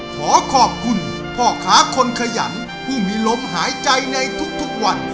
ขอขอบคุณพ่อค้าคนขยันผู้มีลมหายใจในทุกวัน